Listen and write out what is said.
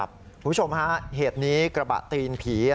คุณผู้ชมฮะเหตุนี้กระบะตีนผี